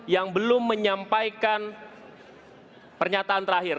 yang belum menyampaikan pernyataan terakhir